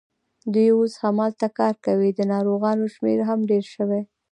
دوی اوس هماغلته کار کوي، د ناروغانو شمېر هم ډېر شوی دی.